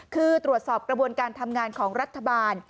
คือตรวจสอบกระบวนการทำงานของรัฐบาล